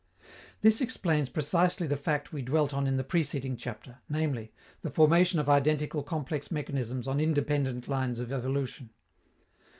_ This explains precisely the fact we dwelt on in the preceding chapter, viz., the formation of identical complex mechanisms on independent lines of evolution.